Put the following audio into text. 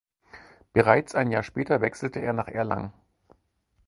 Bereits ein Jahr später wechselte er nach Erlangen.